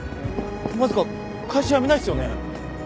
まさか会社辞めないっすよね？